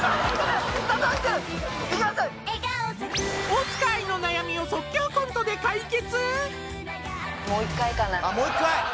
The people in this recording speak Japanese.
大塚愛の悩みを即興コントで解決！？